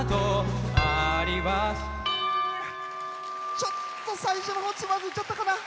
ちょっと最初のほうつまずいちゃったかな。